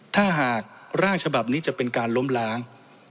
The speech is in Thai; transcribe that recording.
ถ้าหากร่างฉบับนี้จะเป็นการล้มล้าง